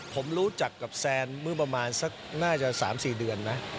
ผมรู้จักกับแซนเมื่อประมาณสักน่าจะ๓๔เดือนนะ